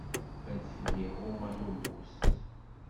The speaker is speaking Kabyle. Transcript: Adfel iɣumm aṭubus.